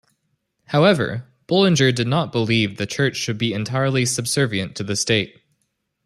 However, Bullinger did not believe the church should be entirely subservient to the state.